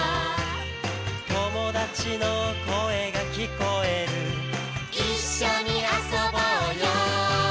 「友達の声が聞こえる」「一緒に遊ぼうよ」